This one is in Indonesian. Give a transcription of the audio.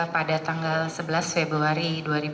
pada tanggal sebelas februari dua ribu enam belas